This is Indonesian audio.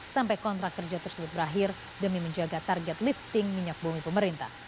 sampai kontrak kerja tersebut berakhir demi menjaga target lifting minyak bumi pemerintah